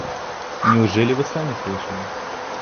Неужели вы сами слышали?